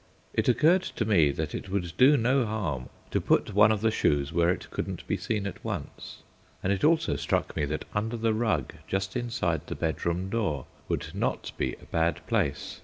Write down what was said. It occurred to me that it would do no harm to put one of the shoes where it couldn't be seen at once, and it also struck me that under the rug just inside the bedroom door would not be a bad place.